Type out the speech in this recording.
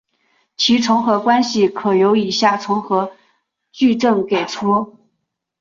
其重合关系可由以下重合矩阵给出。